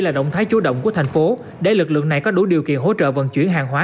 là động thái chủ động của thành phố để lực lượng này có đủ điều kiện hỗ trợ vận chuyển hàng hóa